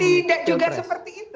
tidak juga seperti itu